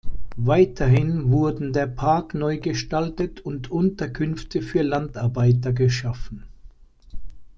Weiterhin wurden der Park neu gestaltet und Unterkünfte für Landarbeiter geschaffen.